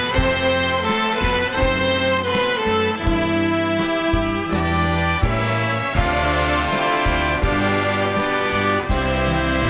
ขอตราพระเกี่ยวยังยืนยมที่สิทธิ์ประสงค์เป็นขุมชัย